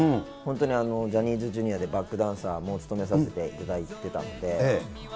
本当にジャニーズＪｒ．でバックダンサーも務めさせていただいていたんで。